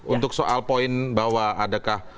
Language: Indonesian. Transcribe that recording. untuk soal poin bahwa adakah